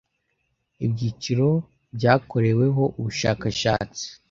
Ibyiciro byakoreweho ubushakashatsi